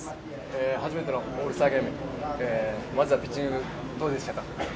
初めてのオールスターゲームまずはピッチングどうでしたか？